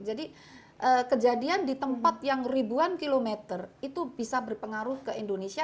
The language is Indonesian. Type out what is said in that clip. jadi kejadian di tempat yang ribuan kilometer itu bisa berpengaruh ke indonesia